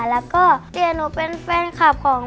แล้วก็เดี๋ยวหนูเป็นแฟนคลับของ